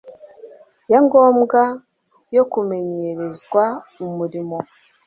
ya ngombwa yo kumenyerezwa umurimo